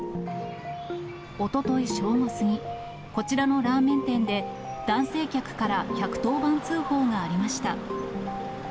おととい正午過ぎ、こちらのラーメン店で、男性客から１１０番通報がありました。